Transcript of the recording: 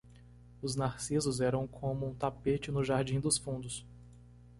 Os narcisos eram como um tapete no jardim dos fundos.